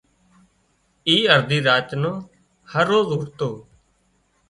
اي ارڌي راچ نا هروز اُوٺتو